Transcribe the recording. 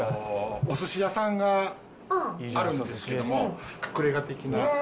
おすし屋さんがあるんですけども、隠れが的な。